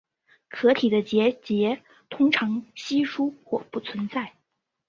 壳体的结节通常稀疏或不存在。